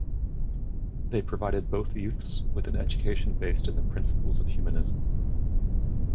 They provided both youths with an education based in the principles of Humanism.